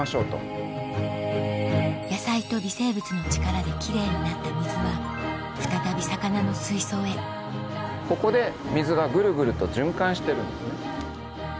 野菜と微生物の力できれいになった水は再び魚の水槽へここで水がグルグルと循環してるんですね。